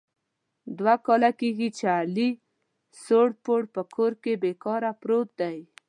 دوه کال کېږي چې علي سوړ پوړ په کور کې بې کاره پروت دی.